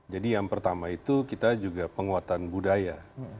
jadi yang pertama itu kita juga penguatan budaya